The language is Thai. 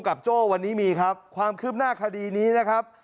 โจ้วันนี้มีครับความคืบหน้าคดีนี้นะครับ